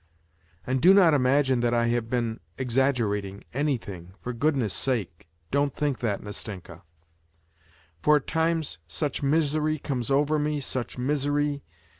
And do not imagine that I have been exaggerating anything for goodness' sake don't think that, Nastenka : for at times such misery comes over me, such misery.